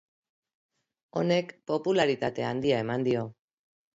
Honek popularitate handia eman dio.